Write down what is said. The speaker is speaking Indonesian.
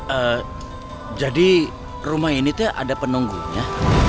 eee jadi rumah ini tuh ada penunggunya